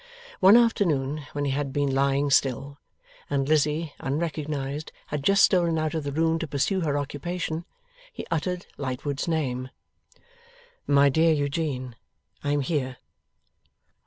One afternoon when he had been lying still, and Lizzie, unrecognized, had just stolen out of the room to pursue her occupation, he uttered Lightwood's name. 'My dear Eugene, I am here.